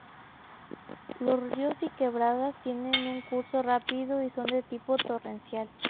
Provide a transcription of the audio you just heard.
Los ríos y quebradas tienen un curso rápido y son de tipo torrencial.